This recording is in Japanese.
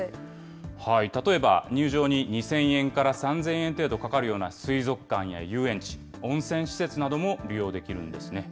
例えば、入場に２０００円から３０００円程度かかるような水族館や遊園地、温泉施設なども利用できるんですね。